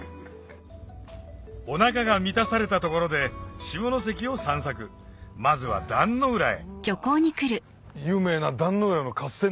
お腹が満たされたところで下関を散策まずは壇ノ浦へ有名な。